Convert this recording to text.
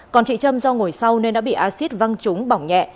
còn chị trâm do ngồi sau nên đã bị acid văng trúng bỏng nhẹ